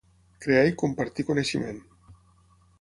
Crear i compartir coneixement.